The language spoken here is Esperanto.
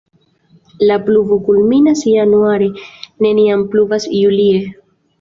La pluvo kulminas januare, neniam pluvas julie.